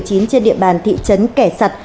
trên địa bàn thị trấn kẻ sật